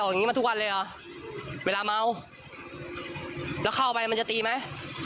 อย่างนี้มาทุกวันเลยเหรอเวลาเมาแล้วเข้าไปมันจะตีไหม